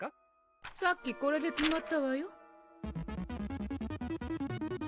さっきこれで決まったわよ